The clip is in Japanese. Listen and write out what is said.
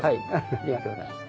ありがとうございます。